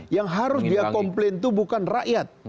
yang harus dia komplain itu bukan rakyat